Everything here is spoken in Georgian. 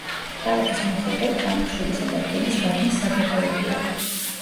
ქალაქის მახლობლად ქვანახშირისა და რკინის მადნის საბადოებია.